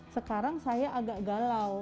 sekarang saya agak galau melihat minatnya masyarakat